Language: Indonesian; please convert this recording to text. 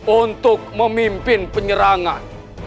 untuk memimpin penyerangan